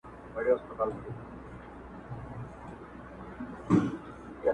زه اومېدواریم په تیارو کي چي ډېوې لټوم,